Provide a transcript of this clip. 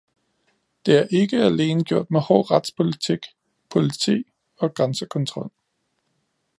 Det er ikke alene gjort med hård retspolitik, politi og grænsekontrol.